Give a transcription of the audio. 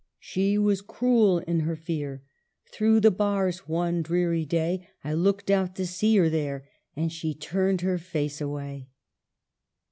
" She was cruel in her fear ; Through the bars, one dreary day, I looked out to see her there, And she turned her face away